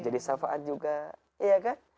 jadi syafaat juga